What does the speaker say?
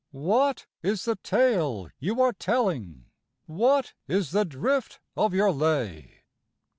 What is the tale you are telling? What is the drift of your lay?